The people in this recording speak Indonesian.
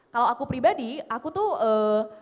kalau aku pribadi aku tuh eee